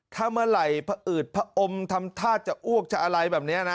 ถ้าเมื่อไหร่ผอืดผอมทำท่าจะอ้วกจะอะไรแบบนี้นะ